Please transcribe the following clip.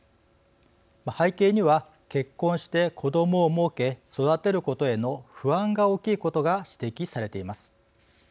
背景には結婚して子どもを設け育てることへの不安が大きいことが指摘されています。